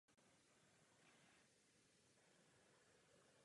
A naše Zem?